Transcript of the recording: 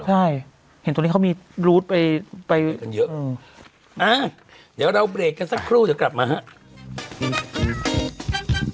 ใช่เห็นตัวนี้เขามีไปไปเยอะอ่าเดี๋ยวเราเบรกกันสักครู่จะกลับมาฮะ